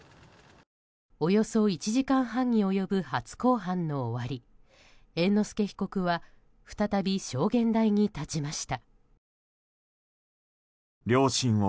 およそ１時間半に及ぶ初公判の終わり猿之助被告は再び証言台に立ちました。